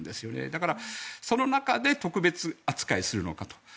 だからその中で特別扱いするのかと。